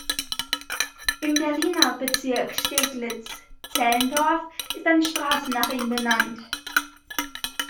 Im Berliner Bezirk Steglitz-Zehlendorf ist eine Straße nach ihm benannt.